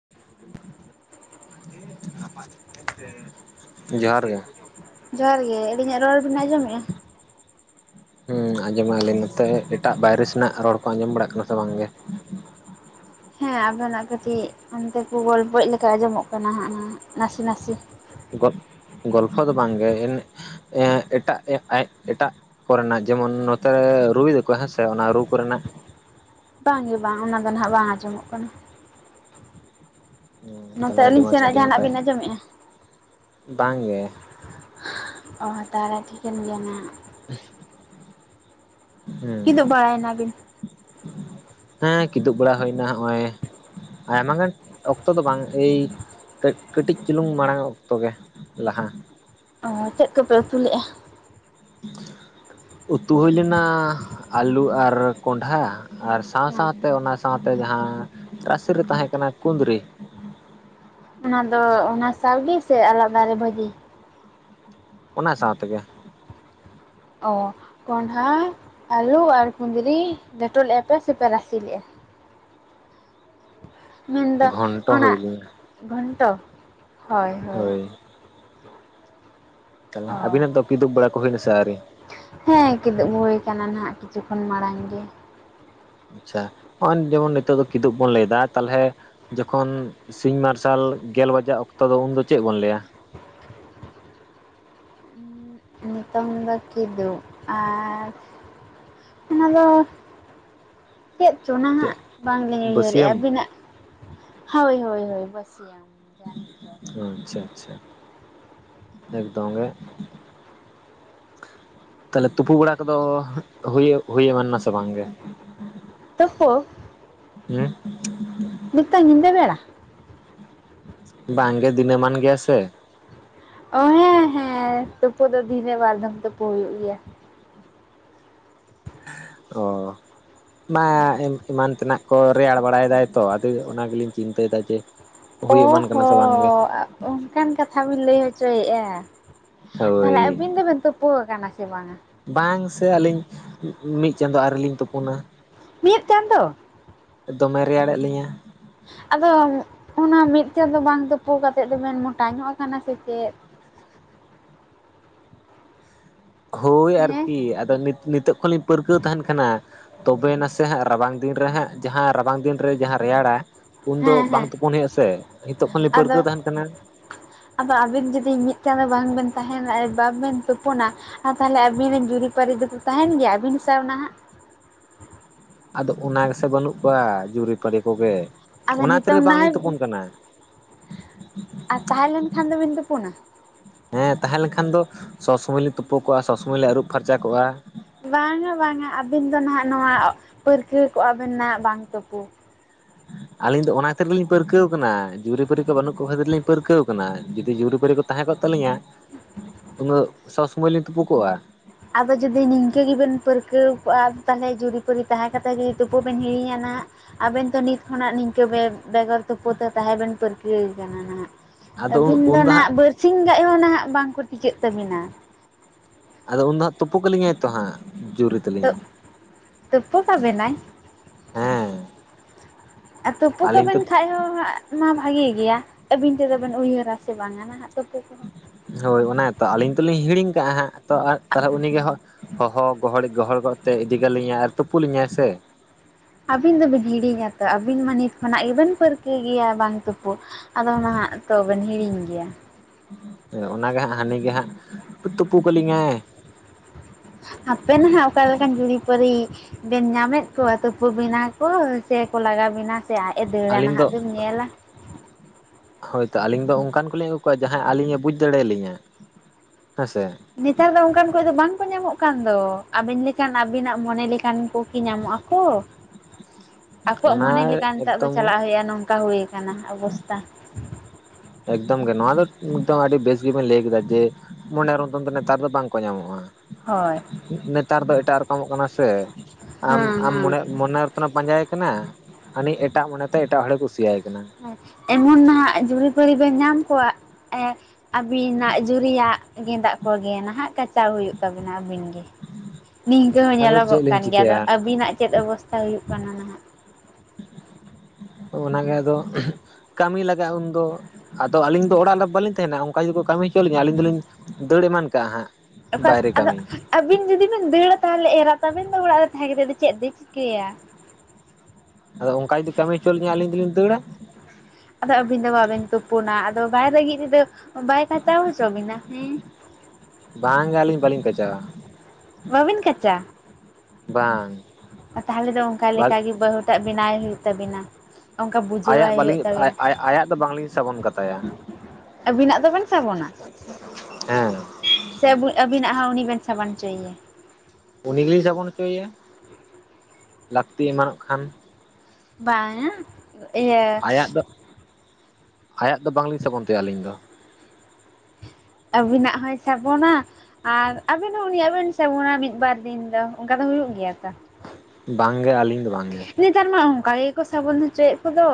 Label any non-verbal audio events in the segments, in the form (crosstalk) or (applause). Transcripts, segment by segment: (unintelligible) ᱡᱚᱦᱟᱨ ᱜᱮ ᱾ ᱡᱚᱦᱟᱨ ᱜᱮ ᱾ ᱟᱹᱞᱤᱧᱟᱜ ᱨᱚᱲ ᱵᱮᱱ ᱟᱸᱡᱚᱢᱮᱜᱼᱟ? (inaudible) ᱦᱮᱸ, ᱟᱸᱡᱚᱢ ᱟᱹᱞᱤᱧ ᱱᱚᱛᱮ ᱮᱴᱟᱜ ᱵᱟᱭᱨᱮ ᱥᱮᱱᱟᱜ ᱨᱚᱲ ᱠᱚ ᱟᱸᱡᱚᱢ ᱵᱟᱲᱟᱜ ᱠᱟᱱᱟ ᱥᱮ ᱵᱟᱝ ᱜᱮ? ᱦᱮᱸ, ᱟᱵᱮᱱᱟᱜ ᱠᱟᱹᱴᱤᱡ ᱚᱱᱛᱮ ᱠᱚ ᱜᱚᱞᱯᱚᱭᱮᱡ ᱞᱮᱠᱟ ᱟᱸᱡᱚᱢᱚᱜ ᱠᱟᱱᱟ ᱦᱟᱸᱜ ᱱᱟᱥᱮ ᱱᱟᱥᱮ ᱾ ᱜᱚᱫ ᱜᱚᱞᱯᱷᱚ ᱫᱚ ᱵᱟᱝᱜᱮ ᱮᱱ ᱮ ᱮᱴᱟᱜ ᱮ ᱮᱴᱟᱜ ᱠᱚᱨᱮᱱᱟᱜ ᱡᱮᱢᱚᱱ ᱱᱚᱛᱮ ᱨᱩᱭᱮᱫᱟ ᱠᱚ ᱦᱮᱸ ᱥᱮ ᱚᱱᱟ ᱨᱩ ᱠᱚᱨᱮᱱᱟᱜ ᱵᱟᱝ ᱜᱮ ᱵᱟᱝ ᱚᱱᱟ ᱫᱚ ᱱᱟᱦᱟᱜ ᱵᱟᱝ ᱟᱸᱡᱚᱢᱚᱜ ᱠᱟᱱᱟ ᱱᱚᱛᱮ ᱛᱟᱦᱚᱞᱮ ᱟᱹᱰᱤ ᱟᱹᱞᱤᱧ ᱢᱚᱸᱡᱽ ᱥᱮᱱᱟᱜ ᱡᱟᱦᱟᱱᱟᱜ ᱵᱤᱱ ᱟᱸᱡᱚᱢᱮᱫᱼᱟ ᱵᱟᱝ ᱜᱮ ᱚ ᱛᱟᱦᱚᱞᱮ ᱴᱷᱤᱠᱟᱹᱱ ᱜᱮᱭᱟ ᱱᱟᱦᱟᱜ ᱦᱩᱸ ᱠᱤᱫᱩᱵ ᱵᱟᱲᱟᱭᱮᱱᱟ ᱵᱤᱱ? ᱦᱮᱸ ᱠᱤᱫᱩᱵ ᱵᱟᱲᱟ ᱦᱩᱭᱮᱱᱟ ᱦᱚᱜᱼᱚᱭ ᱟᱭᱢᱟ ᱜᱟᱱ ᱚᱠᱛᱚ ᱫᱚ ᱵᱟᱝ ᱮᱭ (unintelligible) ᱠᱟᱹᱴᱤᱡ ᱪᱩᱞᱩᱝ ᱢᱟᱲᱟᱝ ᱚᱠᱛᱚ ᱜᱮ ᱞᱟᱦᱟ ᱚᱻ ᱪᱮᱫ ᱠᱚᱯᱮ ᱩᱛᱩ ᱞᱮᱫᱼᱟ? ᱩᱛᱩ ᱦᱩᱭ ᱞᱮᱱᱟᱻ ᱟᱹᱞᱩ ᱟᱨ ᱠᱚᱸᱰᱷᱟ ᱟᱨ ᱥᱟᱶ ᱥᱟᱶᱛᱮ ᱚᱱᱟ ᱥᱟᱶᱛᱮ ᱡᱟᱦᱟᱸ ᱨᱟᱥᱮ ᱨᱮ ᱛᱟᱦᱮᱸ ᱠᱟᱱᱟ ᱠᱩᱸᱫᱽᱨᱤ ᱚᱱᱟ ᱫᱚ ᱚᱱᱟ ᱥᱟᱶ ᱜᱮ ᱥᱮ ᱟᱞᱟᱫᱟᱨᱮ ᱵᱷᱟᱹᱡᱤ? ᱚᱱᱟ ᱥᱟᱶ ᱛᱮᱜᱮ ᱚ ᱠᱚᱸᱰᱷᱟ ᱟᱹᱞᱩ ᱟᱨ ᱠᱩᱸᱫᱽᱨᱤ ᱞᱮᱴᱚ ᱞᱮᱫᱼᱟ ᱯᱮ ᱥᱮᱯᱮ ᱨᱟᱥᱮ ᱞᱮᱜᱼᱟ? ᱢᱮᱱᱫᱚ ᱜᱷᱚᱱᱴᱚ ᱚᱱᱟ ᱦᱩᱭ ᱞᱮᱱᱟ ᱜᱷᱚᱱᱴᱚ ᱦᱳᱭ ᱦᱳᱭ ᱛᱟᱦᱚᱞᱮ ᱚ ᱟᱵᱤᱱᱟᱜ ᱫᱚ ᱠᱤᱫᱩᱵ ᱵᱟᱲᱟ ᱠᱚ ᱦᱩᱭᱱᱟ ᱥᱮ ᱟᱹᱨᱤ? ᱦᱮᱸ ᱠᱤᱫᱩᱵ ᱦᱩᱭ ᱠᱟᱱᱟ ᱱᱟᱜ ᱠᱤᱪᱷᱩ ᱠᱷᱚᱱ ᱢᱟᱲᱟᱝ ᱜᱮ ᱟᱪᱪᱷᱟ ᱱᱚᱜᱼᱚᱭ ᱡᱮᱢᱚᱱ ᱱᱤᱛᱚᱜ ᱫᱚ ᱠᱤᱫᱩᱵ ᱵᱚᱱ ᱞᱟᱹᱭᱫᱟ ᱛᱟᱦᱚᱞᱮ ᱡᱚᱠᱷᱚᱱ ᱥᱤᱧ ᱢᱟᱨᱥᱟᱞ ᱜᱮᱞ ᱵᱟᱡᱟᱜ ᱚᱠᱛᱚ ᱫᱚ ᱩᱱᱫᱚ ᱪᱮᱫ ᱵᱚᱱ ᱞᱟᱹᱭᱟ? ᱱᱤᱛᱚᱝ ᱫᱚ ᱠᱤᱫᱩᱜ ᱟᱨ ᱚᱱᱟ ᱫᱚ ᱪᱮᱫ ᱪᱮᱫ ᱪᱚᱱᱟᱦᱟᱸᱜ ᱵᱟᱝᱞᱤᱧ ᱩᱭᱦᱟᱹᱨᱮᱜᱼᱟ ᱵᱟᱹᱥᱭᱟᱹᱢ ᱟᱹᱵᱤᱱᱟᱜ ᱦᱳᱭ ᱦᱳᱭ ᱵᱟᱥᱭᱟᱢ ᱳ ᱟᱪᱪᱷᱟ ᱟᱪᱪᱷᱟ ᱮᱠᱫᱚᱢ ᱜᱮ ᱛᱟᱦᱞᱮ ᱛᱩᱯᱩ ᱵᱮᱲᱟ ᱠᱚᱫᱚ ᱦᱩᱭᱩᱜ ᱦᱩᱭ ᱮᱢᱟᱱᱟ ᱥᱮ ᱵᱟᱝ ᱜᱮ ᱛᱩᱯᱩ ᱦᱮᱸ ᱱᱤᱛᱚᱜ ᱧᱤᱫᱟ. ᱵᱮᱲᱟ? ᱵᱟᱝ ᱜᱮ ᱫᱤᱱᱟᱹᱢᱟᱱ ᱜᱮᱭᱟ ᱥᱮ ᱚ ᱦᱮᱸ ᱦᱮᱸ ᱛᱩᱯᱩ ᱫᱚ ᱫᱤᱱᱮ ᱵᱟᱨ ᱫᱷᱟᱢ ᱛᱩᱯᱩ ᱦᱩᱭᱩᱜ ᱜᱮᱭᱟ ᱚ ᱢᱟ ᱮᱢ ᱮᱢᱟᱱ ᱛᱮᱱᱟᱜ ᱠᱚ ᱨᱮᱭᱟᱲ ᱵᱟᱲᱟᱭ ᱫᱟᱭ ᱛᱚ ᱟᱫᱚ ᱚᱱᱟ ᱜᱮᱞᱤᱧ ᱪᱤᱱᱛᱟᱹᱭ ᱮᱫᱟ ᱡᱮ ᱦᱩᱭ ᱚ ᱮᱢᱟᱱ ᱠᱟᱱᱟ ᱥᱮ ᱵᱟᱝᱜᱮ ᱦᱚᱸ ᱚᱱᱠᱟᱱ ᱠᱟᱛᱷᱟ ᱵᱤᱱ ᱞᱟᱹᱭ ᱦᱚᱪᱚᱭᱮᱫᱼᱟ ᱛᱟᱦᱚᱞᱮ ᱦᱳᱭ ᱟᱹᱵᱤᱱ ᱫᱚᱵᱮᱱ ᱛᱳᱯᱩ ᱟᱠᱟᱱᱟ ᱥᱮ ᱵᱟᱝᱟ? ᱵᱟᱝ ᱥᱮ ᱟᱹᱞᱤᱧ ᱢᱤᱫ ᱪᱟᱸᱫᱳ ᱟᱨᱣᱮᱞᱤᱧ ᱛᱩᱯᱩᱱᱟ ᱢᱤᱫ ᱪᱟᱸᱫᱳ ᱫᱚᱢᱮ ᱨᱮᱭᱟᱲᱮᱫ ᱞᱤᱧᱟᱹ ᱟᱫᱚ ᱚᱱᱟ ᱢᱤᱫ ᱵᱟᱝ ᱛᱩᱯᱩ ᱠᱟᱛᱮᱫ ᱫᱚ ᱵᱮᱱ ᱢᱚᱴᱟ ᱧᱚᱜ ᱟᱠᱟᱱᱟ ᱥᱮ ᱪᱮᱫ ᱦᱳᱭ ᱦᱮᱸ ᱟᱨᱠᱤ ᱟᱫᱚ ᱱᱤᱛᱚᱜ ᱠᱷᱚᱱᱞᱤᱧ ᱯᱟᱹᱨᱠᱟᱹᱣ ᱛᱟᱦᱮᱱ ᱠᱟᱱᱟ᱾ ᱛᱚᱵᱮᱭ ᱱᱟᱥᱮ ᱦᱟᱸᱜ ᱨᱟᱵᱟᱝ ᱫᱤᱱ ᱨᱮ ᱦᱟᱸᱜ ᱡᱟᱦᱟᱸ ᱨᱟᱵᱟᱝ ᱫᱤᱱ ᱨᱮ ᱡᱟᱦᱟᱸ ᱨᱮᱭᱟᱲᱟ ᱩᱱᱫᱚ ᱦᱮᱸ ᱵᱟᱝ ᱦᱮᱸ ᱛᱩᱯᱚᱱ ᱦᱩᱭᱩᱜᱼᱟ ᱥᱮ ᱱᱤᱛᱚᱜ ᱠᱷᱚᱱᱞᱤᱧ ᱟᱫᱚ ᱯᱟᱹᱨᱠᱟᱹᱣ ᱛᱟᱦᱮᱱ ᱠᱟᱱᱟ ᱟᱫᱚ ᱟᱵᱤᱱ ᱡᱩᱫᱤ ᱢᱤᱫ ᱪᱟᱸᱫᱚ ᱵᱟᱝᱵᱤᱱ ᱛᱟᱦᱮᱱᱟ ᱵᱟᱵᱤᱱ ᱛᱩᱯᱩᱱᱟ ᱟᱨ ᱛᱟᱦᱚᱞᱮ ᱟᱹᱵᱤᱱ ᱨᱮᱱ ᱡᱩᱨᱤᱯᱟᱹᱨᱤ ᱫᱚᱠᱚ ᱛᱟᱦᱮᱱ ᱜᱮᱭᱟ ᱟᱹᱵᱤᱱ ᱥᱟᱶ ᱱᱟᱦᱟᱸᱜ ᱟᱫᱚ ᱚᱱᱟ ᱜᱮᱥᱮ ᱵᱟᱹᱱᱩᱜ ᱠᱚᱣᱟ ᱡᱩᱨᱤᱯᱟᱨᱤ ᱠᱚᱜᱮ ᱟᱫᱚ ᱚᱱᱟᱛᱮ ᱠᱷᱟᱛᱤᱨ ᱱᱤᱛᱚᱝ ᱜᱮ ᱵᱟᱝᱞᱤᱧ ᱱᱟᱦᱟᱜ ᱛᱩᱯᱚᱱ ᱠᱟᱱᱟ ᱟᱨ ᱛᱟᱦᱮᱸ ᱞᱮᱱ ᱠᱷᱟᱱ ᱫᱚᱵᱤᱱ ᱛᱩᱯᱩᱱᱟ ᱦᱮᱸ ᱛᱟᱦᱮᱸ ᱞᱮᱱᱠᱷᱟᱱ ᱫᱚ ᱥᱚᱵ ᱥᱚᱢᱚᱭ ᱞᱮᱧ ᱛᱩᱯᱳ ᱠᱚᱜᱼᱟ ᱥᱚᱵ ᱥᱚᱢᱚᱭ ᱞᱮᱧ ᱟᱹᱨᱩᱵ ᱯᱷᱟᱨᱪᱟ ᱠᱚᱜᱼᱟ ᱵᱟᱝᱟ ᱵᱟᱝᱟ ᱟᱹᱵᱤᱱ ᱫᱚ ᱱᱟᱜ ᱱᱚᱣᱟ ᱯᱟᱹᱨᱠᱟᱹᱣ ᱠᱚᱜ-ᱟ ᱵᱤᱱ ᱱᱟᱜ ᱵᱟᱝ ᱛᱳᱯᱳ ᱟᱹᱞᱤᱧ ᱫᱚ ᱚᱱᱟ ᱠᱷᱟᱹᱛᱤᱨ ᱜᱮᱞᱤᱧ ᱯᱟᱹᱨᱠᱟᱹᱣ ᱠᱟᱱᱟ ᱡᱩᱨᱤᱯᱟᱹᱨᱤ ᱠᱚ ᱵᱟᱹᱱᱩᱜ ᱠᱚ ᱠᱷᱟᱹᱛᱤᱨ ᱞᱤᱧ ᱯᱟᱹᱨᱠᱟᱹᱣ ᱠᱟᱱᱟ ᱡᱩᱫᱤ ᱡᱩᱨᱤᱯᱟᱹᱨᱤ ᱠᱚ ᱛᱟᱦᱮᱸ ᱠᱚᱜ ᱛᱟᱹᱟᱞᱞᱤᱧᱟ ᱩᱱᱟᱹᱜ ᱥᱚᱵᱽ ᱥᱢᱚᱭ ᱞᱤᱧ ᱛᱩᱯᱳ ᱠᱚᱚᱜᱼᱟ ᱟᱫᱚ ᱡᱩᱫᱤ ᱱᱤᱝᱠᱟᱹ ᱜᱮᱵᱮᱱ ᱯᱟᱹᱨᱠᱟᱹᱣ ᱠᱚᱜᱼᱟ ᱛᱟᱦᱚᱞᱮ ᱡᱩᱨᱤᱯᱩᱨᱤ ᱛᱟᱦᱮᱸ ᱠᱟᱛᱮ ᱡᱩᱫᱤ ᱛᱩᱯᱩ ᱵᱮᱱ ᱦᱤᱲᱤᱧᱟ ᱱᱟᱟᱜ ᱟᱵᱮᱱ ᱛᱚ ᱱᱤᱛ ᱠᱷᱚᱱᱟᱜ ᱱᱤᱝᱠᱟᱹ ᱵᱮᱜᱚᱨ ᱛᱩᱯᱩ ᱛᱮ ᱛᱟᱦᱮᱸ ᱵᱮᱱ ᱯᱟᱹᱨᱠᱟᱹᱣ ᱠᱟᱱᱟ ᱱᱟᱦᱜ ᱟᱹᱵᱤᱱ ᱟᱫᱚ ᱫᱚ ᱩᱱᱫᱚ ᱦᱟᱸᱜ ᱱᱟᱦᱟᱜ ᱵᱟᱨᱥᱤᱧ ᱜᱟᱱ ᱦᱚᱸ ᱱᱟᱦᱱᱟᱜ ᱵᱟᱝᱠᱚ ᱴᱤᱠᱟᱹᱜ ᱛᱟᱹᱵᱤᱱᱟ ᱟᱫᱚ ᱩᱱ ᱫᱚ ᱦᱟᱸᱜ ᱛᱩᱯᱩ ᱠᱟᱞᱤᱧᱟᱭ ᱛᱚ ᱦᱟᱸᱜ ᱡᱩᱨ ᱛ ᱛᱩᱯᱩ ᱠᱟᱵᱱᱟᱭ ᱦᱮᱸ ᱟᱨ ᱛᱩᱯᱩ ᱟᱹᱞᱤᱧ ᱛᱚ ᱠᱟᱵᱮᱱ ᱠᱷᱟᱡ ᱦᱟ ᱦᱚᱸ ᱢᱟ ᱵᱷᱟᱜᱮ ᱜᱮᱭᱟ ᱟᱹᱵᱤᱱ ᱛᱮᱫᱚ ᱵᱮᱮᱱ ᱩᱭᱦᱟᱹᱨᱟ ᱥᱮ ᱵᱟᱝᱟ ᱱᱟᱦᱟᱜ ᱫᱚ ᱛᱩᱯᱩᱜ ᱦᱳᱭ ᱚᱱᱟ ᱛᱚ ᱟᱹᱞᱤᱧ ᱫᱚᱞᱤᱧ ᱦᱤᱲᱤᱧ ᱠᱟᱜᱼᱟ ᱦᱟᱸᱜ ᱛᱚ ᱛᱟᱦᱚᱞᱮ ᱩᱱᱤ ᱜᱮᱮ ᱦᱜ ᱦᱚᱦᱚ ᱜᱚᱦᱚᱲᱤᱡ ᱜᱚᱦᱚᱲ ᱜᱚᱫᱛᱮ ᱤᱫᱤ ᱠᱟᱞᱤᱧᱟᱭ ᱟᱨ ᱛᱩᱯᱩᱜ ᱞᱤᱧᱟᱭ ᱥᱮ ᱟᱹᱵᱤᱱ ᱫᱚᱵᱤᱱ ᱦᱤᱲᱤᱧᱟᱛᱚ ᱟᱹᱵᱤᱱ ᱢᱟ ᱱᱤᱛ ᱠᱷᱚᱱᱟᱜ ᱜᱮᱵᱤᱱ ᱯᱟᱹᱨᱠᱟᱹᱣ ᱜᱮᱭᱟ ᱵᱟᱝ ᱛᱩᱯᱩᱜ ᱟᱫᱚ ᱱᱟᱦᱟᱜ ᱛᱚᱵᱮᱱ ᱦᱤᱲᱤᱧ ᱜᱮᱭᱟ ᱦᱮ ᱚᱱᱟᱜᱮ ᱦᱟᱸᱜ ᱦᱟᱹᱱᱤ ᱜᱮ ᱦᱟᱸᱜ ᱛᱩᱯᱩ ᱠᱟᱞᱤᱧᱟᱭ ᱦᱯᱮᱱ ᱦᱟᱜ ᱚᱠᱟ ᱞᱮᱠᱟᱱ ᱡᱲᱤ ᱯᱟᱨᱤ ᱵᱮᱱ ᱧᱟᱢᱮᱫ ᱠᱚᱣᱟ ᱛᱩᱯᱩ ᱵᱮᱱᱟ ᱠᱚ ᱥᱮᱠᱚ ᱞᱟᱜᱟ ᱵᱮᱱᱟ ᱥᱮ ᱟᱡ ᱮ ᱫᱟᱹᱲᱟ ᱟᱹᱞᱤᱧ ᱱᱟᱦᱟᱜ ᱫᱚ ᱵᱮᱱ ᱧᱮᱞᱟ ᱦᱳᱭᱛᱚ ᱟᱹᱞᱤᱧ ᱫᱚ ᱚᱱᱠᱟᱱ ᱠᱚᱞᱤᱧ ᱟᱹᱜᱩ ᱠᱚᱣᱟ ᱡᱟᱦᱟᱸᱭ ᱟᱹᱞᱤᱧᱮ ᱵᱩᱡᱽ ᱫᱟᱲᱮᱭᱟᱞᱤᱧᱟ ᱦᱮᱸ ᱥᱮᱮ ᱱᱮᱛᱟᱨ ᱫᱚ ᱚᱱᱠᱟᱱ ᱠᱚ ᱫᱚ ᱵᱟᱝᱠᱚ ᱧᱟᱢᱚᱜ ᱠᱟᱱ ᱫᱚ ᱟᱹᱵᱤᱱ ᱞᱮᱠᱟᱱ ᱟᱵᱤᱱᱟᱜ ᱢᱚᱱᱮ ᱞᱮᱠᱟᱱ ᱠᱩᱠᱤ ᱧᱟᱢᱚᱜ ᱟᱠᱚ ᱟᱠᱚᱣᱟᱜ ᱚᱱᱟ ᱢᱚᱱᱮ ᱞᱮᱠᱟ ᱱᱤᱛᱚᱜ ᱫᱚ ᱮᱠᱫᱚᱢ ᱪᱟᱞᱟᱜ ᱦᱩᱭᱩᱜᱼᱟ ᱱᱚᱝᱠᱟ ᱦᱩᱭ ᱚᱵᱚᱥᱛᱟ ᱮᱠᱫᱚᱢ ᱜᱮ ᱱᱚᱣᱟ ᱫᱚᱫᱚᱢ ᱟᱹᱰᱤ ᱵᱮᱥ ᱜᱮᱵᱮᱱ ᱞᱟᱹᱭ ᱠᱮᱫᱟ ᱡᱮ ᱢᱚᱱᱮᱨ ᱢᱚᱛᱚᱱ ᱫᱚ ᱱᱮᱛᱟᱨ ᱫᱚ ᱵᱟᱝᱠᱚ ᱧᱟᱢᱚᱜᱼᱟ ᱦᱳᱭ ᱱᱮᱛᱟᱨ ᱫᱚ ᱮᱴᱟᱜ ᱨᱚᱠᱚᱢᱚᱜ ᱠᱟᱱᱟ ᱥᱮ ᱟᱢ ᱦᱮᱸ ᱟᱢ ᱦᱮᱸ ᱢᱚᱱᱮ ᱢᱚᱱᱮᱨ ᱡᱚᱛᱱᱚ ᱯᱟᱸᱡᱟᱭ ᱠᱟᱱᱟ ᱦᱟᱱᱤ ᱮᱴᱟᱜ ᱢᱚᱱᱮᱛᱮ ᱮᱴᱟᱜ ᱦᱚᱲᱮ ᱠᱩᱥᱤᱭᱟᱭ ᱠᱟᱱᱟ ᱟᱨ ᱮᱢᱚᱱ ᱱᱟᱦᱟᱜ ᱡᱩᱨᱤᱼᱯᱟᱨᱤ ᱵᱮᱱ ᱧᱟᱢ ᱠᱚᱣᱟ ᱟᱹᱵᱤᱱᱟᱜ ᱡᱩᱨᱤᱭᱟᱜ ᱜᱮᱸᱫᱟᱜ ᱠᱚᱜᱮ ᱱᱟᱦᱟᱜ ᱠᱟᱪᱟᱣ ᱦᱩᱭᱩᱜ ᱛᱟᱵᱤᱱᱟ ᱟᱹᱵᱤᱱ ᱱᱤᱝᱠᱟᱹ ᱦᱚᱸ ᱟᱫᱚ ᱧᱮᱞᱚᱜᱚᱜ ᱪᱮᱫ ᱞᱤᱧ ᱠᱟᱱ ᱜᱮᱭᱟ ᱟᱫᱚ ᱪᱤᱠᱟᱹᱭᱟ ᱟᱵᱤᱱᱟᱜ ᱪᱮᱫ ᱚᱵᱚᱥᱛᱟ ᱦᱩᱭᱩᱜ ᱠᱟᱱᱟ ᱱᱟᱦᱟᱜ ᱚᱱᱟᱜᱮ ᱟᱫᱚ ᱠᱟᱹᱢᱤ ᱞᱟᱜᱟᱜᱼᱟ ᱩᱱᱫᱚ ᱟᱫᱚ ᱟᱹᱞᱤᱧ ᱫᱚ ᱚᱲᱟᱜ ᱨᱮ ᱵᱟᱟᱹᱞᱤᱧ ᱛᱟᱦᱮᱱᱟ ᱚᱱᱠᱟ ᱡᱩᱫᱤ ᱠᱚ ᱠᱟᱹᱢᱤ ᱦᱚᱪᱚᱣᱟᱤᱧᱟ ᱟᱹᱞᱤᱧ ᱫᱚᱞᱤᱧ ᱫᱟᱹᱲ ᱮᱢᱟᱱ ᱠᱟᱜᱼᱟ ᱦᱟᱸᱜ᱾ ᱮ ᱚᱠᱟᱥ ᱵᱟᱭᱨᱮ ᱟᱫᱚ ᱠᱟᱹᱢᱤ ᱟᱹᱵᱤᱱ ᱡᱩᱫᱤ ᱵᱤᱱ ᱫᱟᱹᱲᱟ ᱛᱟᱦᱚᱞᱮ ᱮᱨᱟ ᱛᱟᱵᱮᱱ ᱫᱚ ᱚᱲᱟᱜ ᱨᱮ ᱛᱟᱦᱮᱸ ᱠᱟᱛ ᱫᱚ ᱪᱮᱫ ᱫᱚ ᱪᱤᱠᱟᱹᱭᱟ? ᱟᱫᱚ ᱚᱱᱠᱟ ᱡᱩᱫᱤ ᱠᱟᱢᱤ ᱦᱚᱪᱚ ᱟᱞᱤᱧ ᱫᱚᱞᱤᱧ ᱫᱟᱹᱲᱟ᱾ ᱟᱫᱚ ᱟᱹᱵᱤᱱ ᱫᱚ ᱵᱟᱵᱤᱱ ᱛᱩᱯᱩᱱᱟ ᱟᱫᱚ ᱵᱟᱭ ᱞᱟᱹᱜᱤᱫ ᱛᱮᱫᱚ ᱵᱟᱭ ᱠᱟᱪᱟᱣ ᱦᱚᱪᱚ ᱵᱤᱱᱟ ᱦᱮᱸ ᱵᱟᱝ ᱜᱮ ᱟᱹᱞᱤᱧ ᱵᱟᱹᱞᱤᱧ ᱠᱟᱪᱟᱶᱟ ᱵᱟᱵᱤᱱ ᱠᱟᱪᱟ ᱵᱟᱝ ᱛᱟᱦᱚᱞᱮ ᱫᱚ ᱚᱱᱠᱟ ᱵᱟᱝ ᱞᱮᱠᱟᱜᱮ ᱵᱟᱹᱦᱩ ᱴᱟᱜ ᱵᱮᱱᱟᱣ ᱦᱩᱭᱩᱜ ᱛᱟᱵᱤᱱᱟ ᱚᱱᱠᱟ ᱵᱩᱡᱷᱟᱹᱣᱟᱭ ᱟᱭᱟᱜ ᱦᱩᱭᱩᱜ ᱵᱟᱹᱞᱤᱧ ᱛᱟᱵᱤᱱᱟ ᱟᱭᱟᱜ ᱫᱚ ᱵᱟᱝᱞᱤᱧ ᱥᱟᱵᱚᱱ ᱠᱟᱛᱟᱭᱟ᱾ ᱟᱵᱤᱱᱟᱜ ᱫᱚᱵᱤᱱ ᱥᱟᱵᱚᱱᱟ ᱦᱮᱸ ᱥᱮ ᱟᱵᱤᱱᱟᱜ ᱦᱚᱸ ᱩᱱᱤ ᱵᱮᱮᱱ ᱥᱟᱵᱟᱱ ᱚᱪᱚᱭᱮᱭᱟ ᱩᱱᱤ ᱜᱮᱞᱤᱧ ᱥᱟᱵᱚᱱ ᱦᱚᱪᱚᱭᱮᱭᱟ ᱞᱟᱹᱠᱛᱤ ᱮᱢᱟᱱᱚᱜ ᱠᱷᱟᱱ ᱵᱟᱝᱟ ᱮ ᱟᱭᱟᱜ ᱫᱚ ᱟᱭᱟᱜ ᱫᱚ ᱵᱟᱝᱞᱤᱧ ᱥᱟᱵᱚᱱ ᱛᱟᱭᱟ ᱟᱹᱞᱤᱧ ᱫᱚ᱾ ᱟᱵᱤᱱᱟᱜ ᱦᱚᱭ ᱥᱟᱵᱚᱱᱟ ᱟᱨ ᱟᱵᱮᱱ ᱦᱚᱸ ᱩᱱᱤᱭᱟᱜ ᱵᱮᱱ ᱥᱟᱵᱚᱱᱟ ᱢᱤᱫ ᱵᱟᱨ ᱫᱤᱱ ᱫᱚ, ᱚᱱᱠᱟ ᱫᱚ ᱦᱩᱭᱩᱜ ᱜᱮᱭᱟ ᱛᱚ᱾ ᱵᱟᱝ ᱜᱮ ᱟᱹᱞᱤᱧ ᱫᱚ ᱵᱟᱝ ᱜᱮ ᱱᱮᱛᱟᱨ ᱢᱟ ᱚᱱᱠᱟ ᱜᱮᱠᱚ ᱥᱟᱵᱚᱱ ᱦᱚᱪᱚᱭᱮᱫ ᱠᱚᱫᱚ᱾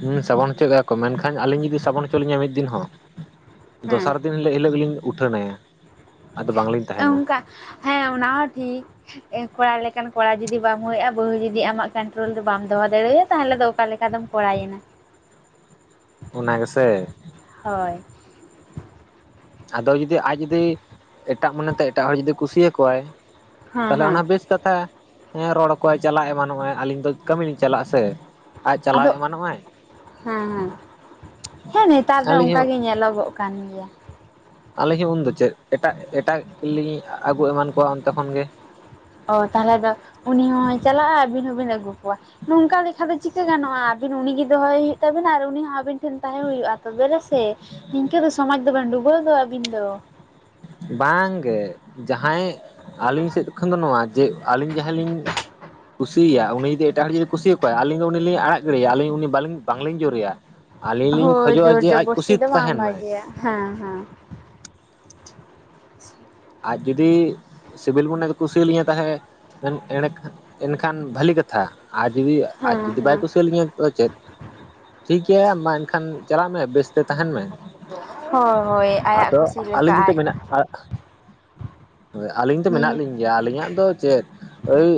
ᱦᱩᱸ ᱥᱟᱵᱚᱱ ᱦᱚᱪᱚᱜᱮᱼᱟᱠᱚ ᱢᱮᱱᱠᱷᱟᱱ ᱟᱹᱞᱤᱧ ᱡᱩᱫᱤ ᱥᱟᱵᱚᱱ ᱦᱚᱪᱚ ᱞᱤᱧᱟ ᱢᱤᱫ ᱫᱤᱱ ᱦᱚᱸ, ᱦᱮᱸ ᱫᱚᱥᱟᱨ ᱫᱤᱱ ᱮᱱ ᱦᱤᱞᱚᱜ ᱜᱮᱞᱤᱧ ᱩᱴᱷᱟᱹᱱᱟᱭᱟ ᱟᱫᱚ ᱵᱟᱝᱞᱤᱧ ᱛᱟᱦᱮᱸᱱᱟ᱾ ᱚᱱᱠᱟ ᱦᱮᱸ ᱚᱱᱟ ᱦᱚᱸ ᱴᱷᱤᱠ ᱮ ᱠᱚᱲᱟ ᱞᱮᱠᱟᱱ ᱠᱚᱲᱟ ᱡᱩᱫᱤ ᱵᱟᱢ ᱦᱩᱭᱩᱜᱼᱟ ᱵᱟᱹᱦᱩ ᱡᱩᱫᱤ ᱟᱢᱟᱜ ᱠᱚᱱᱴᱨᱚᱞ ᱨᱮ ᱵᱟᱢ ᱫᱚᱦᱚ ᱫᱟᱲᱮᱣᱟᱭᱟ ᱛᱟᱦᱚᱞᱮ ᱫᱚ ᱚᱠᱟ ᱞᱮᱠᱟ ᱫᱚᱢ ᱠᱚᱲᱟᱭᱮᱱᱟ ᱚᱱᱟ ᱜᱮᱥᱮ ᱦᱳᱭ ᱟᱫᱚ ᱡᱩᱫᱤ ᱟᱡ ᱡᱩᱫᱤ ᱮᱴᱟᱜ ᱢᱚᱱᱮᱛᱮ ᱮᱴᱟᱜ ᱦᱚᱲ ᱡᱩᱫᱤ ᱠᱩᱥᱤᱭᱟᱠᱚᱣᱟᱭ ᱦᱮᱸ ᱛᱟᱦᱚᱞᱮ ᱦᱮᱸ ᱚᱱᱟ ᱵᱮᱥ ᱠᱟᱛᱷᱟ ᱦᱮᱸ ᱨᱚᱲ ᱟᱠᱚᱣᱟᱭ ᱪᱟᱞᱟᱜ ᱮᱢᱟᱱ ᱱᱚᱜᱼᱟᱭ ᱟᱹᱞᱤᱧ ᱫᱚ ᱠᱟᱹᱢᱤ ᱞᱤᱧ ᱪᱟᱞᱟᱜᱼᱟ ᱥᱮ ᱟᱡ ᱟᱫᱚ ᱪᱟᱞᱟᱣ ᱮᱢᱟᱱᱚᱜᱼᱟᱭ ᱦᱮᱸ ᱦᱮᱸ ᱦᱮᱸ ᱱᱮᱛᱟᱨ ᱫᱚ ᱚᱱᱠᱟ ᱟᱹᱞᱤᱧ ᱦᱚᱸ ᱜᱮ ᱧᱮᱞᱚᱜᱚᱜ ᱠᱟᱱᱟ᱾ ᱠᱟᱱ ᱜᱮᱭᱟ ᱟᱹᱞᱤᱧ ᱦᱚᱸ ᱩᱱᱫᱚ ᱪᱮᱫ ᱮᱴᱟᱜ ᱮᱴᱟᱜᱞᱤᱧ ᱟᱹᱜᱩ ᱮᱢᱟᱱ ᱠᱚᱣᱟ ᱚᱱᱛᱮ ᱠᱷᱚᱱ ᱜᱮ᱾ ᱚ ᱛᱟᱦᱚᱞᱮ ᱫᱚ ᱩᱱᱤ ᱦᱚᱸᱭ ᱪᱟᱞᱟᱜᱼᱟ ᱟᱹᱵᱮᱱ ᱦᱚᱸᱵᱮᱱ ᱟᱹᱜᱩ ᱠᱚᱣᱟ᱾ ᱱᱚᱝᱠᱟ ᱞᱮᱠᱟ ᱫᱚ ᱪᱤᱠᱟᱹ ᱜᱟᱱᱚᱜᱼᱟ ᱟᱹᱵᱮᱱ ᱩᱱᱤᱜᱮ ᱫᱚᱦᱚᱭ ᱦᱩᱭᱩᱜ ᱛᱟᱵᱮᱱᱟ ᱟᱨ ᱩᱱᱤ ᱦᱚᱸ ᱟᱵᱮᱱ ᱴᱷᱮᱱ ᱛᱟᱦᱮᱸ ᱦᱩᱭᱩᱜᱼᱟ ᱛᱚᱵᱮ ᱨᱮᱜᱮ ᱥᱮ ᱱᱤᱝᱠᱟᱹ ᱫᱚ ᱥᱚᱢᱟᱡᱽ ᱫᱚᱵᱤᱱ ᱰᱩᱵᱟᱹᱣ ᱫᱚ ᱟᱹᱵᱤᱱ ᱫᱚ᱾ ᱵᱟᱝᱜᱮ ᱡᱟᱦᱟᱸᱭ ᱟᱹᱞᱤᱧ ᱥᱮᱫ ᱠᱷᱚᱱ ᱫᱚ ᱱᱚᱣᱟ ᱡᱮ ᱟᱹᱞᱤᱧ ᱡᱟᱦᱟᱸᱞᱤᱧ ᱠᱩᱥᱤᱭᱟᱭ ᱩᱱᱤ ᱡᱩᱫᱤ ᱮᱴᱟᱜ ᱦᱚᱲ ᱡᱩᱫᱤ ᱠᱩᱥᱤᱭᱟᱠᱚᱣᱟᱭ ᱟᱹᱞᱤᱧ ᱫᱚ ᱩᱱᱤᱞᱤᱧ ᱟᱲᱟᱜ ᱜᱤᱰᱮᱭᱟ ᱟᱹᱞᱤᱧ ᱩᱱᱤᱞᱤᱧ ᱵᱟᱝᱞᱤᱧ ᱡᱩᱨᱤᱭᱟ ᱟᱹᱞᱤᱧ ᱞᱤᱧ ᱦᱳᱭ ᱠᱷᱚᱡᱚᱜᱼᱟ ᱡᱳᱨ ᱡᱮ ᱟᱡ ᱠᱩᱥᱤ ᱡᱚᱵᱚᱥᱛᱤ ᱛᱮ ᱫᱚ ᱵᱟᱝ ᱛᱟᱦᱮᱸᱱ ᱢᱟ᱾ ᱵᱷᱟᱜᱮᱭᱟ ᱦᱮᱸ ᱦᱮᱸ ᱟᱡ ᱡᱩᱫᱤ ᱥᱤᱵᱤᱞ ᱢᱚᱱᱮ ᱠᱚ ᱞᱤᱧᱟᱹ ᱛᱟᱦᱮᱸᱫ ᱢᱮᱱ ᱮᱱᱠᱷᱟᱱ ᱵᱷᱟᱹᱞᱤ ᱠᱟᱛᱷᱟ ᱟᱡ ᱡᱩᱫᱤ ᱟᱡ ᱦᱮᱸ ᱫᱚ ᱵᱟᱭ ᱦᱮᱸ ᱠᱩᱥᱤᱣᱟᱹᱞᱤᱧᱟ ᱟᱫᱚ ᱪᱮᱫ ᱴᱷᱤᱠ ᱜᱮᱭᱟ ᱢᱟ ᱮᱱᱠᱷᱟᱱ ᱪᱟᱞᱟᱜ ᱢᱮ ᱵᱮᱥᱛᱮ ᱛᱟᱦᱮᱸᱱ ᱢᱮ ᱦᱳᱭ ᱦᱳᱭ ᱟᱭᱟᱜ ᱠᱩᱥᱤ ᱞᱮᱠᱟ ᱟᱡ ᱟᱨ ᱟᱹᱞᱤᱧ ᱫᱚ ᱢᱮᱱᱟᱜ ᱱᱤᱭᱟᱹ ᱞᱤᱧ ᱜᱮᱭᱟ ᱟᱹᱞᱤᱧᱟᱜ ᱫᱚ ᱪᱮᱫ ᱳᱭ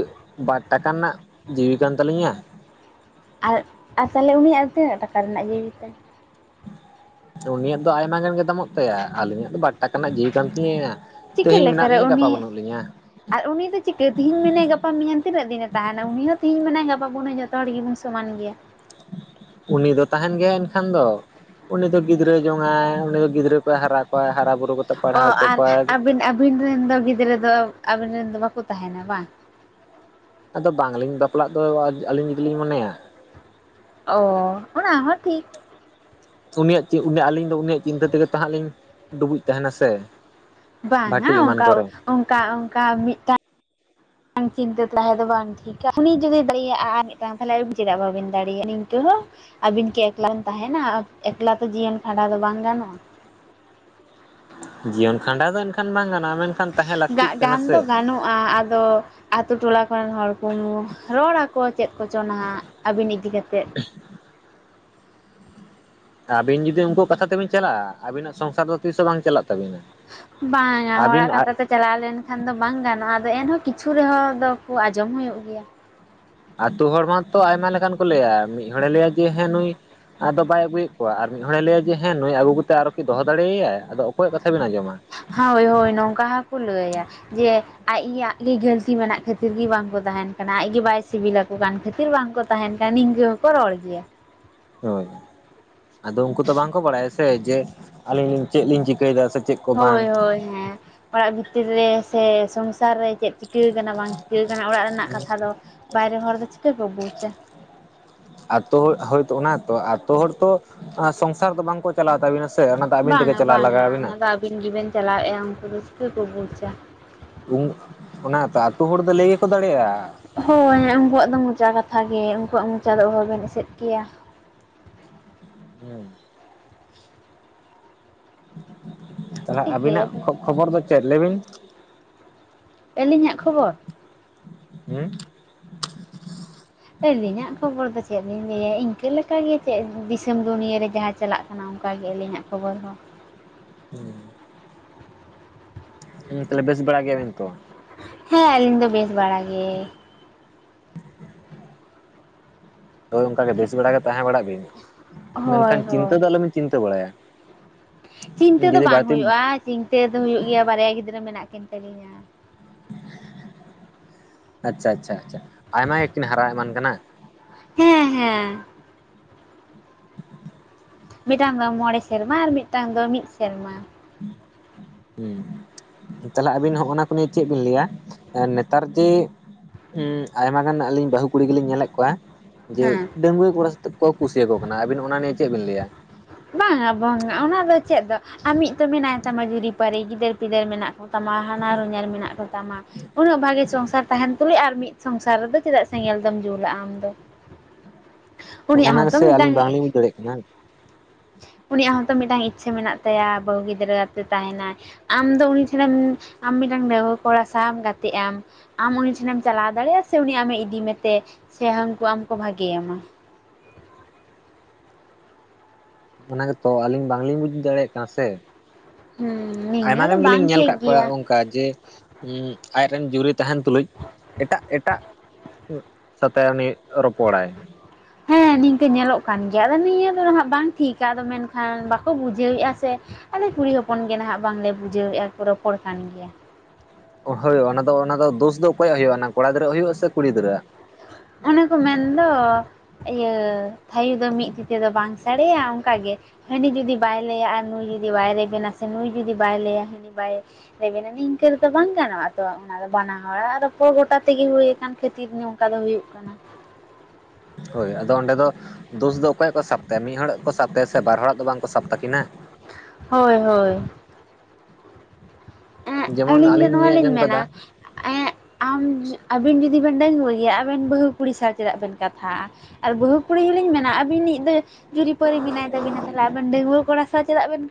ᱵᱟᱨ ᱴᱟᱠᱟ ᱨᱮᱱᱟᱜ ᱡᱤᱣᱤ ᱠᱟᱱ ᱛᱟᱹᱞᱤᱧᱟ ᱟᱨ ᱟᱨ ᱛᱟᱦᱚᱞᱮ ᱩᱱᱤᱭᱟᱜ ᱫᱚ ᱛᱤᱱᱟᱹᱜ ᱴᱟᱠᱟ ᱨᱮᱱᱟᱜ ᱡᱤᱣᱤ ᱛᱟᱭ ᱩᱱᱤᱭᱟᱜ ᱫᱚ ᱟᱭᱢᱟ ᱜᱟᱱ ᱜᱮ ᱫᱟᱢᱚᱜ ᱛᱟᱭᱟ ᱟᱹᱞᱤᱧᱟᱜ ᱫᱚ ᱵᱟᱨ ᱴᱟᱠᱟ ᱨᱮᱱᱟᱜ ᱡᱤᱣᱤ ᱠᱟᱱ ᱛᱤᱧᱟᱹ ᱪᱤᱠᱟᱹ ᱛᱮᱦᱮᱧ ᱢᱮᱱᱟᱜ ᱞᱮᱠᱟᱨᱮ ᱞᱤᱧᱟᱹ ᱩᱱᱤ ᱜᱟᱯᱟ ᱵᱟᱹᱱᱩᱜ ᱞᱤᱧᱟᱹ ᱟᱨ ᱩᱱᱤ ᱫᱚ ᱪᱤᱠᱟᱹ ᱛᱮᱦᱮᱧ ᱢᱮᱱᱟᱭᱟ ᱜᱟᱯᱟ ᱢᱮᱭᱟᱝ ᱛᱤᱱᱟᱹᱜ ᱫᱤᱱᱮ ᱛᱟᱦᱮᱸᱱᱟ ᱩᱱᱤ ᱦᱚᱸ ᱛᱮᱦᱮᱧ ᱢᱮᱱᱟᱭᱟ ᱜᱟᱯᱟ ᱵᱟᱱᱩᱭ (unintelligible) ᱡᱚᱛᱚ ᱦᱚᱲ ᱜᱮᱵᱚᱱ ᱥᱚᱢᱟᱱ ᱜᱮᱭᱟ ᱩᱱᱤ ᱫᱚ ᱛᱟᱦᱮᱸᱱ ᱜᱮᱭᱟᱭ ᱮᱱᱠᱷᱟᱱ ᱫᱚ ᱩᱱᱤ ᱫᱚ ᱜᱤᱫᱽᱨᱟᱹ ᱡᱚᱝᱟᱭ ᱩᱱᱤ ᱫᱚ ᱜᱤᱫᱽᱨᱟᱹ ᱠᱚᱭ ᱦᱟᱨᱟ ᱠᱚᱣᱟᱭ ᱦᱟᱨᱟ ᱵᱩᱼ ᱚ ᱟᱨ ᱟᱹᱵᱮᱱ ᱟᱹᱵᱮᱱ ᱨᱮᱱ ᱫᱚ ᱜᱤᱫᱽᱨᱟᱹ ᱫᱚ ᱟᱹᱵᱤᱱ ᱨᱮᱱ ᱫᱚ ᱵᱟᱠᱚ ᱛᱟᱦᱮᱸᱱᱟ ᱵᱟᱝ ᱟᱫᱚ ᱵᱟᱝᱞᱤᱧ ᱵᱟᱯᱞᱟᱜ ᱫᱚ ᱟᱹᱞᱤᱧ ᱡᱩᱫᱤ ᱞᱤᱧ ᱢᱚᱱᱮᱭᱟ ᱚ ᱚᱱᱟ ᱦᱚᱸ ᱴᱷᱤᱠ ᱩᱱᱤᱭᱟᱜ ᱩᱱᱤᱭᱟᱜ ᱟᱹᱞᱤᱧ ᱫᱚ ᱩᱱᱤᱭᱟᱜ ᱪᱤᱱᱛᱟᱹ ᱛᱮᱜᱮ ᱛᱟᱦᱟᱸᱜ ᱞᱤᱧ ᱰᱩᱵᱩᱡ ᱛᱟᱦᱮᱸᱱᱟ ᱥᱮ ᱵᱟᱝᱟ ᱵᱷᱟᱹᱴᱤ ᱮᱢᱟᱱ ᱚᱱᱠᱟ ᱠᱚᱨᱮ ᱚᱱᱠᱟ ᱚᱱᱠᱟ ᱢᱤᱫᱴᱟᱝ ᱵᱟᱝ ᱪᱤᱱᱛᱟᱹ ᱛᱟᱦᱮᱸᱩᱱᱩ ᱡᱩᱫᱤ ᱫᱟᱲᱮᱭᱟᱜᱼᱟ ᱟᱨ ᱢᱤᱫᱴᱟᱝ ᱛᱟᱦᱚᱞᱮ ᱟᱵᱮᱱ ᱪᱮᱫᱟᱜ ᱵᱟᱵᱮᱱ ᱫᱟᱲᱮᱭᱟᱜᱼᱟ ᱛᱚ ᱦᱚ ᱟᱹᱵᱮᱱ ᱠᱤ ᱮᱠᱞᱟ ᱵᱮᱱ ᱛᱟᱦᱮᱸᱱᱟ ᱮᱠᱞᱟ ᱫᱚ ᱡᱤᱭᱚᱱ ᱠᱷᱟᱸᱰᱟᱣ ᱫᱚ ᱵᱟᱝ ᱜᱟᱱᱚᱜᱼᱟ ᱡᱤᱭᱚᱱ ᱠᱷᱟᱸᱰᱟᱣ ᱫᱚ ᱮᱱᱠᱷᱟᱱ ᱵᱟᱝ ᱜᱟᱱᱚᱜᱼᱟ ᱢᱮᱱᱠᱷᱟᱱ ᱟᱵᱮᱱ ᱜᱟᱱ ᱫᱚ ᱜᱟᱱᱚᱜᱼᱟ ᱟᱫᱚ ᱟᱛᱳ ᱴᱚᱞᱟ ᱠᱚᱨᱮᱱ ᱦᱚᱲ ᱠᱚ ᱨᱚᱲᱟᱠᱚ ᱪᱮᱫ ᱠᱚᱪᱚ ᱱᱟᱦᱟᱸᱜ ᱟᱹᱵᱮᱱ ᱤᱫᱤ ᱠᱟᱛᱮᱫ ᱟᱵᱮᱱ ᱡᱩᱫᱤ ᱩᱱᱠᱩᱣᱟᱜ ᱠᱟᱛᱷᱟ ᱛᱮᱵᱮᱱ ᱪᱟᱞᱟᱜᱼᱟ ᱟᱹᱵᱤᱱᱟᱜ ᱥᱚᱝᱥᱟᱨ ᱫᱚ ᱛᱤᱥ ᱦᱚᱸ ᱵᱟᱝ ᱪᱟᱞᱟᱜ ᱛᱟᱹᱵᱤᱱᱟ ᱵᱟᱝᱟ ᱟᱹᱵᱤᱱ ᱦᱚᱲᱟᱜ ᱠᱷᱟᱛᱷᱟ ᱛᱮ ᱪᱟᱞᱟᱣ ᱞᱮᱱᱠᱷᱟᱱ ᱫᱚ ᱵᱟᱝ ᱜᱟᱱᱚᱜᱼᱟ ᱟᱫᱚ ᱮᱱᱦᱚᱸ ᱠᱤᱪᱷᱩ ᱨᱮᱦᱚᱸ ᱫᱚᱠᱚ ᱟᱸᱡᱚᱢ ᱦᱩᱭᱩᱜ ᱜᱮᱭᱟ ᱟᱛᱳ ᱦᱚᱲ ᱢᱟᱛᱚ ᱟᱭᱢᱟ ᱞᱮᱠᱟᱱ ᱠᱚ ᱞᱟᱹᱭᱟ ᱢᱤᱫ ᱦᱚᱲᱮ ᱞᱟᱹᱭᱟ ᱡᱮ ᱦᱮᱸ ᱱᱩᱭ ᱟᱫᱚ ᱵᱟᱭ ᱟᱹᱜᱩᱭᱮᱫ ᱠᱚᱣᱟ ᱟᱨ ᱢᱤᱫ ᱦᱚᱲᱮ ᱞᱟᱹᱭᱟ ᱡᱮ ᱦᱮᱸ ᱱᱩᱭ ᱟᱹᱜᱩ ᱠᱟᱛᱮ ᱟᱨᱚ ᱠᱤ ᱫᱚᱦᱚ ᱫᱟᱲᱮᱣᱟᱭᱟᱭ ᱟᱫᱚ ᱚᱠᱚᱭᱟᱜ ᱠᱟᱛᱷᱟ ᱵᱮᱱ ᱟᱸᱡᱚᱢᱟ ᱦᱟᱣ ᱦᱳᱭ ᱱᱚᱝᱠᱟ ᱦᱚᱸᱠᱚ ᱞᱟᱹᱭᱟ ᱡᱮ ᱟᱭᱟᱜ ᱜᱮ ᱜᱟᱹᱞᱛᱤ ᱢᱮᱱᱟᱜ ᱠᱷᱟᱹᱛᱤᱨ ᱜᱮ ᱵᱟᱝᱠᱚ ᱛᱟᱦᱮᱱ ᱠᱟᱱᱟ ᱟᱡ ᱜᱮ ᱵᱟᱭ ᱥᱤᱵᱤᱞᱟᱠᱚ ᱠᱟᱱ ᱠᱷᱟᱹᱛᱤᱨ ᱵᱟᱝᱠᱚ ᱛᱟᱦᱮᱱ ᱠᱷᱟᱱ ᱱᱤᱝᱠᱟᱹ ᱦᱚᱠᱚ ᱨᱚᱲ ᱜᱮᱭᱟ ᱦᱳᱭ ᱟᱫᱚ ᱩᱱᱠᱩ ᱛᱚ ᱵᱟᱝᱠᱚ ᱵᱟᱲᱟᱭᱟ ᱥᱮ ᱡᱮ ᱟᱹᱞᱤᱧ ᱞᱤᱧ ᱪᱮᱫ ᱞᱤᱧ ᱪᱤᱠᱟᱹᱭᱮᱫᱟ ᱥᱮ ᱪᱮᱫ ᱠᱚ ᱦᱳᱭ ᱵᱟᱝ ᱦᱳᱭ ᱦᱮᱸ ᱚᱲᱟᱜ ᱵᱷᱤᱛᱤᱨ ᱨᱮ ᱥᱮ ᱥᱚᱝᱥᱟᱨ ᱨᱮ ᱪᱮᱫ ᱪᱤᱠᱟᱹ ᱟᱠᱟᱱᱟ ᱵᱟᱝ ᱪᱤᱠᱟᱹ ᱟᱠᱟᱱᱟ ᱚᱲᱟᱜ ᱨᱮᱱᱟᱜ ᱨᱮᱱᱟᱜ ᱠᱟᱛᱷᱟ ᱫᱚ ᱵᱟᱭᱨᱮ ᱦᱚᱲ ᱫᱚ ᱪᱤᱠᱟᱹ ᱠᱚ ᱵᱩᱡᱟ ᱟᱛᱳ ᱦᱳᱭᱛᱚ ᱚᱱᱟ ᱛᱚ ᱟᱛᱳ ᱦᱚᱲ ᱛᱚ ᱥᱚᱝᱥᱟᱨ ᱫᱚ ᱵᱟᱝᱠᱚ ᱪᱟᱞᱟᱣ ᱛᱟᱹᱵᱤᱱᱟ ᱥᱮ ᱚᱱᱟᱼᱫᱚ ᱟᱹᱵᱤᱱ ᱛᱮᱜᱮ ᱵᱟᱝᱟ ᱪᱟᱞᱟᱣ ᱵᱟᱝᱟ ᱞᱟᱜᱟᱣᱵᱤᱱᱟ ᱚᱱᱟ ᱫᱚ ᱟᱹᱵᱤᱱ ᱜᱮᱵᱮᱱ ᱪᱟᱞᱟᱣᱮᱜᱼᱟ ᱩᱱᱠᱩ ᱫᱚ ᱪᱤᱠᱟ ᱠᱚ ᱵᱩᱡᱟ ᱚᱱᱟ ᱛᱚ ᱟᱹᱛᱩ ᱦᱚᱲ ᱫᱚ ᱞᱟᱹᱭ ᱜᱮᱠᱚ ᱫᱟᱲᱮᱭᱟᱜᱼᱟ ᱦᱳᱭ ᱩᱱᱠᱩᱣᱟᱜ ᱫᱚ ᱢᱚᱪᱟ ᱠᱟᱛᱷᱟ ᱜᱮ ᱩᱱᱠᱩᱣᱟᱜ ᱢᱚᱪᱟ ᱫᱚ ᱚᱦᱚᱵᱮᱱ ᱮᱥᱮᱫ ᱠᱮᱭᱟ ᱦᱮᱸ ᱛᱟᱦᱞᱮ ᱟᱹᱵᱤᱱᱟᱜ ᱪᱤᱠᱟᱹᱭᱟᱵᱮᱱ ᱠᱷᱚᱵᱚᱨ ᱫᱚ ᱪᱮᱫ ᱞᱟᱹᱭᱵᱤᱱ ᱟᱹᱞᱤᱧᱟᱜ ᱠᱷᱚᱵᱚᱨ ᱦᱮᱸ ᱟᱹᱞᱤᱧᱟᱜ ᱠᱷᱚᱵᱚᱨ ᱫᱚ ᱪᱮᱫ ᱞᱤᱧ ᱞᱟᱹᱭᱟ ᱤᱱᱠᱟᱹ ᱞᱮᱠᱟᱜᱮ ᱪᱮᱫ ᱫᱤᱥᱚᱢ ᱫᱩᱱᱭᱟ ᱨᱮ ᱡᱟᱦᱟᱸ ᱪᱟᱞᱟᱜ ᱠᱟᱱᱟ ᱚᱱᱠᱟ ᱜᱮ ᱟᱹᱞᱤᱧᱟᱜ ᱠᱷᱚᱵᱚᱨ ᱫᱚ ᱦᱮᱸ ᱦᱮᱸ ᱛᱟᱦᱚᱞᱮ ᱵᱮᱥ ᱵᱟᱲᱟ ᱜᱮᱭᱟᱵᱤᱱ ᱛᱚ ᱦᱮᱸ ᱟᱹᱞᱤᱧ ᱫᱚ ᱵᱮᱥ ᱵᱟᱲᱟ ᱜᱮ ᱦᱳᱭ ᱚᱱᱠᱟᱜᱮ ᱵᱮᱥ ᱵᱮᱲᱟᱜ ᱜᱮ ᱛᱟᱦᱮᱸ ᱵᱟᱲᱟᱜ ᱵᱤᱱ ᱦᱳᱭ ᱢᱮᱱᱠᱷᱟᱱ ᱪᱤᱱᱛᱟᱹ ᱦᱳᱭ ᱫᱚ ᱟᱞᱚᱵᱤᱱ ᱪᱤᱱᱛᱟᱹ ᱵᱟᱲᱟᱭᱟ ᱪᱤᱱᱛᱟᱹ ᱫᱚ ᱡᱩᱫᱤ ᱵᱟᱝ ᱵᱟᱹᱲᱛᱤ ᱦᱩᱭᱩᱜᱼᱟ ᱪᱤᱱᱛᱟᱹ ᱫᱚ ᱦᱩᱭᱩᱜ ᱜᱮᱭᱟ ᱵᱟᱨᱭᱟ ᱜᱤᱫᱽᱨᱟᱹ ᱢᱮᱱᱟᱜ ᱠᱤᱱ ᱛᱟᱹᱞᱤᱧᱟ ᱟᱪᱪᱷᱟ ᱪᱷᱟ ᱪᱷᱟ ᱟᱭᱢᱟ ᱜᱮᱠᱤᱱ ᱦᱟᱨᱟ ᱮᱢᱟᱱ ᱠᱟᱱᱟ ᱦᱮᱸ ᱦᱮᱸ ᱢᱤᱫᱴᱟᱝ ᱫᱚ ᱢᱚᱬᱮ ᱥᱮᱨᱢᱟ ᱟᱨ ᱢᱤᱫᱴᱟᱝ ᱫᱚ ᱢᱤᱫ ᱥᱮᱨᱢᱟ ᱦᱩᱸ ᱛᱟᱦᱚᱞᱮ ᱟᱵᱤᱱ ᱦᱚᱜ ᱱᱟ ᱠᱚ ᱱᱤᱭᱮ ᱪᱮᱫ ᱵᱤᱱ ᱞᱟᱹᱭᱟ ᱱᱮᱛᱟᱨ ᱡᱮ ᱦᱸ ᱟᱭᱢᱟ ᱜᱟᱱ ᱟᱹᱞᱤᱧ ᱵᱟᱹᱦᱩ ᱠᱩᱲᱤ ᱜᱮᱞᱤᱧ ᱧᱮᱞᱮᱫ ᱠᱚᱣᱟ ᱡᱮ ᱦᱮᱸ ᱰᱟᱺᱜᱩᱣᱟᱹ ᱠᱚᱲᱟ ᱥᱟᱛᱮᱜ ᱠᱚ ᱠᱩᱥᱤᱭᱟᱠᱚ ᱠᱟᱱᱟ ᱟᱹᱵᱤᱱ ᱚᱱᱟ ᱱᱤᱭᱮ ᱪᱮᱫ ᱵᱤᱱ ᱞᱟᱹᱭᱟ ᱵᱟᱝᱟ ᱵᱟᱝᱼᱟ ᱚᱱᱟ ᱫᱚ ᱪᱮᱫ ᱫᱚ ᱟᱢᱤᱧ ᱛᱚ ᱢᱮᱱᱟᱭ ᱛᱟᱢᱟ ᱡᱩᱨᱤᱯᱟᱹᱨᱤ ᱜᱤᱫᱟᱹᱨ ᱯᱤᱫᱟᱹᱨ ᱢᱮᱱᱟᱜ ᱛᱟᱢᱟ ᱦᱟᱱᱦᱟᱨ ᱦᱚᱧᱦᱟᱨ ᱢᱮᱱᱟᱜ ᱠᱚᱛᱟᱢᱟ ᱩᱱᱟᱹᱜ ᱵᱷᱟᱜᱤ ᱥᱚᱝᱥᱟᱨ ᱛᱟᱦᱮᱱ ᱛᱩᱞᱩᱡ ᱟᱨ ᱢᱤᱫ ᱥᱚᱝᱥᱟᱨ ᱨᱮᱫᱚ ᱪᱮᱫᱟᱜ ᱥᱮᱸᱜᱮᱞ ᱫᱚᱢ ᱡᱩᱞᱟᱜᱼᱟ ᱟᱢ ᱫᱚ ᱩᱱᱤᱭᱟᱜ ᱦᱚᱸᱛᱚ ᱢᱤᱫᱟᱝ ᱦ (unintelligible) ᱩᱱᱤᱭᱟᱜ ᱦᱚᱸᱛᱚ ᱢᱤᱫᱴᱟᱝ ᱤᱪᱪᱷᱟᱹ ᱢᱮᱱᱟᱜ ᱛᱟᱭᱟ ᱵᱟᱹᱦᱩ ᱜᱤᱫᱽᱨᱟᱹ ᱟᱛᱮ ᱛᱟᱦᱮᱱᱟᱭ ᱟᱢ ᱫᱚ ᱩᱱᱤ ᱴᱷᱮᱱᱮᱢ ᱟᱢ ᱢᱤᱫᱴᱟᱱ ᱰᱟᱹᱜᱩᱣᱟᱹ ᱠᱚᱲᱟ ᱥᱟᱶᱢ ᱜᱟᱛᱮ ᱟᱢ ᱟᱢ ᱩᱱᱤ ᱴᱷᱮᱱᱮᱢ ᱪᱟᱞᱟᱣ ᱫᱟᱲᱮᱭᱟᱜᱼᱟ ᱥᱮ ᱩᱱᱤ ᱟᱢᱮ ᱤᱫᱤ ᱢᱮᱛᱮ ᱥᱮ ᱦᱟᱹᱱᱠᱩ ᱟᱢ ᱠᱚ ᱵᱷᱟᱜᱮᱭᱟᱢᱟ ᱚᱱᱟ ᱜᱮᱛᱚ ᱟᱞᱤᱧ ᱵᱟᱝᱞᱤᱧ ᱵᱩᱡ ᱫᱟᱲᱮᱭᱟᱜ ᱠᱟᱱᱟ ᱥᱮ ᱦᱩᱸ ᱟᱭᱢᱟ ᱱᱤᱭᱟᱹ ᱫᱚ ᱜᱟᱱ ᱜᱮᱞᱤᱧ ᱵᱟᱝ ᱧᱮᱞ ᱴᱷᱤᱠ ᱟᱠᱟᱜ ᱠᱚᱣᱟ ᱜᱮᱭᱟ ᱚᱱᱠᱟ ᱡᱮ ᱩᱢ ᱟᱡᱨᱮᱱ ᱡᱩᱨᱤ ᱛᱟᱦᱮᱱ ᱛᱩᱞᱩᱡ ᱮᱴᱟᱜ ᱮᱴᱟᱜ ᱥᱟᱛᱮ ᱩᱱᱤ ᱨᱚᱯᱚᱲ ᱭᱟ᱾ ᱦᱮᱸ ᱱᱤᱝᱠᱟᱹ ᱧᱮᱞᱚᱜ ᱠᱟᱱ ᱜᱮᱭᱟ ᱟᱫᱚ ᱱᱤᱭᱟᱹ ᱫᱚ ᱦᱟᱜ ᱵᱟᱝ ᱴᱷᱤᱠᱟ ᱟᱫᱚ ᱢᱮᱱᱠᱷᱟᱱ ᱵᱟᱠᱚ ᱵᱩᱡᱷᱟᱹᱣᱮᱼᱟ ᱥᱮ ᱟᱞᱮ ᱠᱩᱲᱤ ᱦᱚᱯᱚᱱ ᱜᱮ ᱱᱟᱦᱟᱜ ᱵᱟᱝᱞᱮ ᱵᱩᱡᱷᱟᱹᱣᱮᱼᱟ ᱠᱚ ᱨᱚᱯᱚᱲ ᱠᱟᱱ ᱜᱮᱭᱟ ᱦᱳᱭ ᱚᱱᱟ ᱫᱚ ᱚᱱᱟ ᱫᱚ ᱫᱳᱥ ᱫᱚ ᱚᱠᱚᱭᱭᱟᱜ ᱦᱩᱭᱩᱜᱼᱟ ᱚᱱᱟ ᱠᱚᱲᱟ ᱜᱤᱫᱽᱨᱟᱹᱣᱟᱜ ᱦᱩᱭᱩᱜᱼᱟ ᱥᱮ ᱠᱩᱲᱤ ᱜᱤᱫᱽᱨᱟᱹᱣᱟᱜ ᱚᱱᱮᱠᱚ ᱢᱮᱱᱫᱚ ᱤᱭᱟᱹ ᱛᱷᱟᱭᱚ ᱫᱚ ᱢᱤᱫ ᱛᱮᱫᱚ ᱫᱚ ᱵᱟᱝ ᱥᱟᱰᱮᱭᱟ ᱚᱱᱠᱟᱜᱮ ᱦᱟᱹᱱᱤ ᱡᱩᱫᱤ ᱵᱟᱭ ᱞᱟᱹᱭᱟ ᱟᱨ ᱱᱩᱭ ᱡᱩᱫᱤ ᱵᱟᱭ ᱨᱮᱵᱮᱱᱟ ᱥᱮ ᱱᱩᱭ ᱡᱩᱫᱤ ᱵᱟᱭ ᱞᱟᱹᱭᱟ ᱦᱟᱹᱱᱤ ᱵᱟᱭ ᱨᱮᱵᱮᱱ ᱱᱤ ᱱᱤᱱᱝᱠᱟᱹ ᱨᱮᱫᱚᱚ ᱵᱟᱝ ᱜᱟᱱᱚᱜ-ᱟ ᱛᱚ ᱚᱱᱟ ᱫᱚ ᱵᱟᱱᱟ ᱦᱚᱲ ᱟᱨᱫᱚ ᱯᱚᱨ ᱜᱚᱴᱟ ᱛᱮᱜᱮ ᱦᱩᱭᱩ ᱟᱠᱟᱱ ᱠᱷᱟᱹᱛᱤᱨ ᱚᱱᱠᱟ ᱫᱚ ᱦᱩᱭᱩᱜ ᱠᱟᱱᱟ ᱦᱳᱭ ᱟᱫᱚ ᱚᱸᱰᱮ ᱫᱚ ᱫᱳᱥ ᱫᱚ ᱚᱠᱚᱭᱟᱜ ᱠᱚ ᱥᱟᱵ ᱛᱟᱭᱟ ᱢᱤᱫ ᱦᱚᱲᱟᱜ ᱜᱮᱠᱚ ᱥᱟᱵ ᱛᱟᱭᱟᱼᱼ ᱥᱮ ᱵᱟᱨ ᱦᱚᱲᱟᱜ ᱫᱚ ᱵᱟᱝᱠᱚ ᱥᱟᱵ ᱛᱟᱹᱠᱤᱱᱟ ᱦᱳᱭ ᱦᱳᱭ ᱡᱮᱢᱚᱱ ᱫᱚ ᱟᱹᱞᱤᱧ ᱱᱚᱣᱟ ᱞᱤᱧ ᱟᱸᱡᱚᱢ ᱢᱮᱱᱟ ᱠᱟᱫᱟ ᱮᱸᱜ ᱟᱢ ᱟᱹᱵᱤᱱ ᱡᱩᱫᱤ ᱵᱮᱱ ᱰᱟᱹᱝᱜᱩᱭᱟᱹ ᱜᱮᱭᱟ ᱟᱵᱮᱱ ᱵᱟᱹᱦᱩ ᱠᱩᱲᱤ ᱥᱟᱶ ᱪᱮᱫᱟᱜ ᱵᱮᱱ ᱠᱟᱛᱷᱟᱜᱼᱟ ᱟᱨ ᱵᱟᱹᱦᱩ ᱠᱩᱲᱤ ᱦᱚᱞᱤᱧ ᱢᱮᱱᱟ ᱟᱹᱵᱤᱱᱤᱡ ᱫᱚᱼᱼ ᱡᱩᱨᱤᱯᱟᱹᱨᱤ ᱢᱮᱱᱟᱭ ᱛᱟᱵᱤᱱᱟ ᱛᱟᱦᱚᱞᱮ ᱟᱵᱮᱱ ᱰᱟᱹᱝᱜᱩᱣᱟᱹ ᱠᱚᱲᱟ ᱥᱟᱶ ᱪᱮᱫᱟᱜ ᱵᱮᱱᱼᱼ